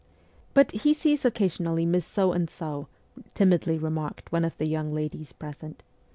' But he sees occasionally Miss So and So,' timidly remarked one of the young ladies present.